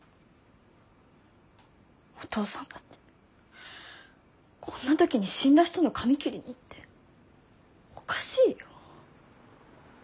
お父さんだってこんな時に死んだ人の髪切りに行っておかしいよ。